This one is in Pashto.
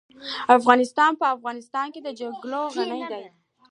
افغانستان په د افغانستان جلکو غني دی.